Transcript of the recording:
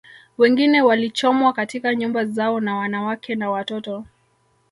Wengine walichomwa katika nyumba zao na wanawake na watoto